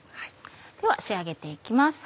では仕上げて行きます。